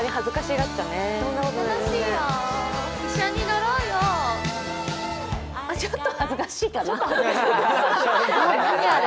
やっぱちょっと恥ずかしいかな。